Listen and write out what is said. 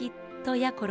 やころ！